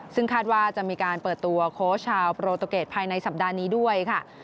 ซึ่งคาดว่าจะมีการเปิดตัวโค้ชชาวโปรตูเกตภายในสัปดาห์นี้ด้วยค่ะ